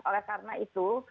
oleh karena itu